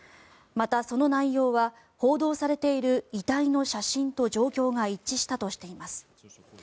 またその内容は報道されている遺体の写真と状況が一致したとしています。